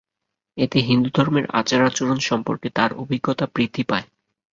এতে হিন্দুধর্মের আচার-আচরণ সম্পর্কে তাঁর অভিজ্ঞতা বৃদ্ধি পায়।